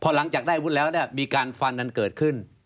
หลังจากได้อาวุธแล้วเนี่ยมีการฟันกันเกิดขึ้น